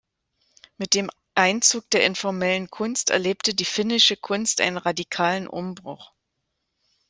Mit dem Einzug der Informellen Kunst erlebte die finnische Kunst einen radikalen Umbruch.